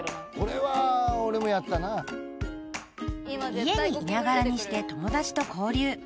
［家にいながらにして友達と交流］